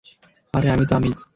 আরে আমি তো আমিই।